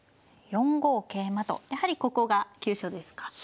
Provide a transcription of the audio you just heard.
４五桂馬とやはりここが急所ですか。